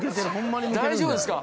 大丈夫ですか。